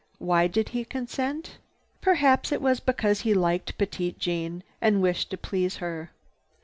Why did he consent? Perhaps it was because he liked Petite Jeanne and wished to please her.